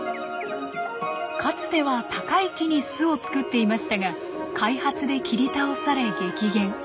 かつては高い木に巣を作っていましたが開発で切り倒され激減。